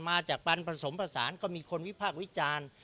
มาจากปันผสมผสานก็มีคนวิพากษ์วิจารณ์